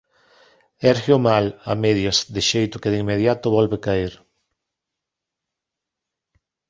Érgueo mal, a medias, de xeito que de inmediato volve caer.